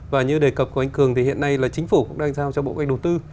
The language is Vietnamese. và như đề cập của anh cường thì hiện nay là chính phủ cũng đang giao cho bộ cách đầu tư